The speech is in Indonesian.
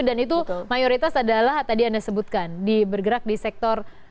dan itu mayoritas adalah tadi anda sebutkan di bergerak di sektor